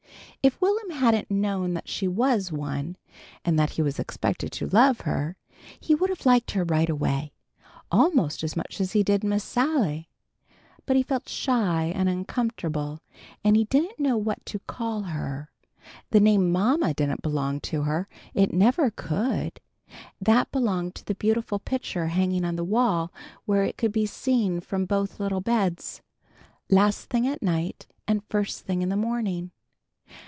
If Will'm hadn't known that she was one, and that he was expected to love her, he would have liked her right away, almost as much as he did Miss Sally. But he felt shy and uncomfortable, and he didn't know what to call her. The name "mama" did not belong to her. It never could. That belonged to the beautiful picture hanging on the wall where it could be seen from both little beds, last thing at night and first thing in the morning.